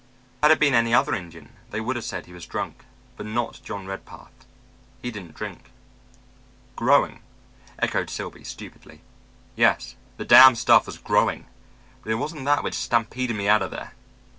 Had it been any other Indian they would have said he was drunk but not John Redpath. He didn't drink. "Growing?" echoed Silby stupidly. "Yes. The damn stuff was growing. But it wasn't that which stampeded me out of there.